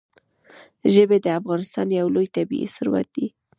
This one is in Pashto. ژبې د افغانستان یو لوی طبعي ثروت دی.